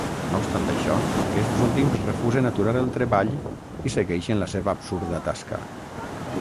No obstant això, aquests últims refusen aturar el treball i segueixen la seva absurda tasca.